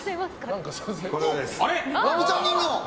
ラミちゃん人形。